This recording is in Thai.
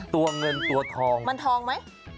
ตัวเงินตัวทองมันทองไหม